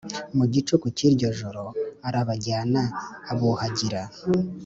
Mu gicuku cy iryo joro arabajyana abuhagira